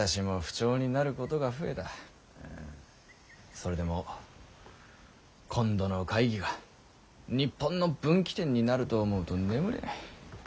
それでも今度の会議が日本の分岐点になると思うと眠れない。